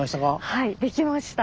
はいできました。